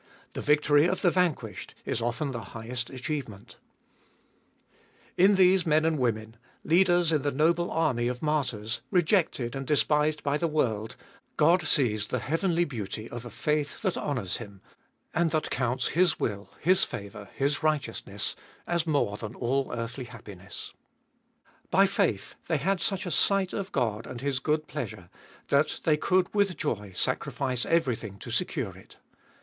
The victory of the vanquished is often the highest achievement In these men and women, leaders in the noble army of the martyrs, rejected and despised by the world, God sees the heavenly beauty of a faith that honours Him, and that counts His will, His favour, His righteousness, as more than all earthly happiness. By faith they had such a sight of God and His good pleasure, that they could with joy sacrifice everything to secure it.